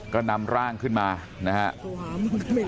ก็นำร่างขึ้นมานะครับ